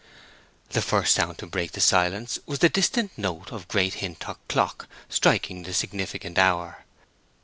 The first sound to break the silence was the distant note of Great Hintock clock striking the significant hour.